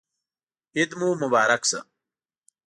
عید مو مبارک شه